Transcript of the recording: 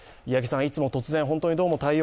いつも突然、本当に対応